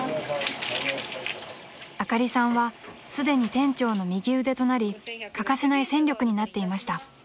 ［あかりさんはすでに店長の右腕となり欠かせない戦力になっていました］